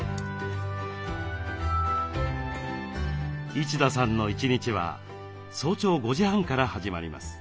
一田さんの一日は早朝５時半から始まります。